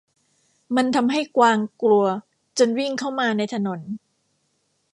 มันทำให้กวางกลัวจนวิ่งเข้ามาในถนน